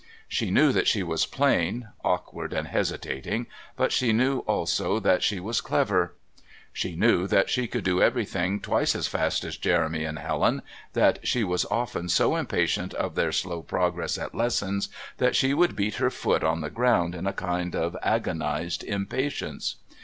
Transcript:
She knew that she was plain, awkward and hesitating, but she knew also that she was clever. She knew that she could do everything twice as fast as Jeremy and Helen, that she was often so impatient of their slow progress at lessons that she would beat her foot on the ground in a kind of agonised impatience.